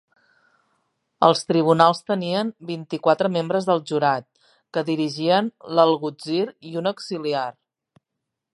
Els tribunals tenien vint-i-quatre membres del jurat, que dirigien l'algutzir i un auxiliar.